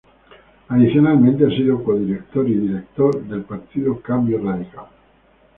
Adicionalmente, ha sido codirector y directivo del Partido Cambio Radical.